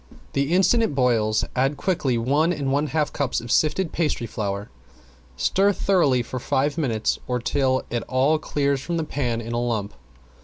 The instant it boils add quickly one and one half cups of sifted pastry flour. Stir thoroughly for five minutes, or till it all clears from the pan in a lump.